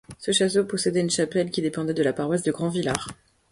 Ce château possédait une chapelle qui dépendait de la paroisse de Grandvillars.